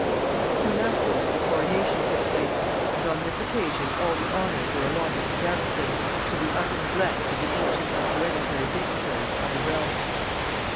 Soon afterward the coronation took place, and on this occasion all the honors were allotted to Gaveston, to the utter neglect of the ancient and hereditary dignitaries of the realm.